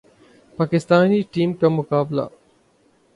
Pakistani team کا مقابلہ